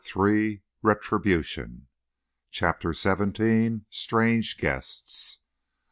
RETRIBUTION. CHAPTER XVII. STRANGE GUESTS.